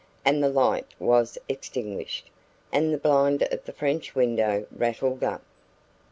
And the light was extinguished, and the blind of the French window rattled up.